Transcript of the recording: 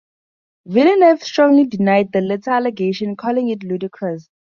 Villeneuve strongly denied the latter allegation, calling it ludicrous.